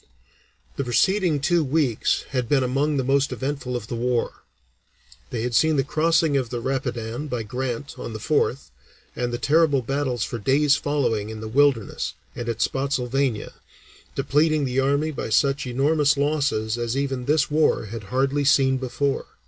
The preceding two weeks had been among the most eventful of the war. They had seen the crossing of the Rapidan by Grant on the 4th, and the terrible battles for days following in the Wilderness and at Spottsylvania, depleting the army by such enormous losses as even this war had hardly seen before.